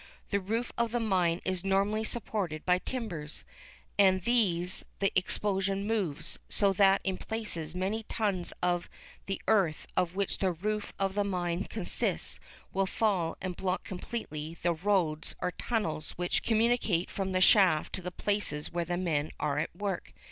The roof of the mine is normally supported by timbers, and these the explosion moves, so that in places many tons of the earth of which the roof of the mine consists will fall and block completely the "roads" or tunnels which communicate from the shaft to the places where the men are at work.